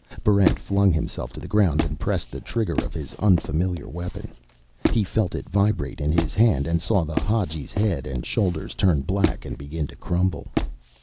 Barrent flung himself to the ground and pressed the trigger of his unfamiliar weapon. He felt it vibrate in his hand, and saw the Hadji's head and shoulders turn black and begin to crumble.